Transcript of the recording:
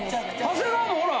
長谷川もほら。